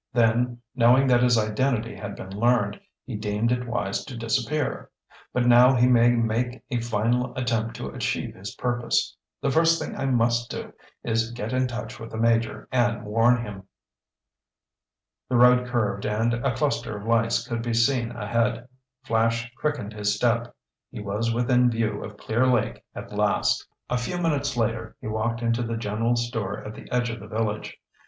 "Then, knowing that his identity had been learned, he deemed it wise to disappear. But now he may make a final attempt to achieve his purpose. The first thing I must do is get in touch with the Major and warn him!" The road curved and a cluster of lights could be seen ahead. Flash quickened his step. He was within view of Clear Lake at last. A few minutes later he walked into the general store at the edge of the village.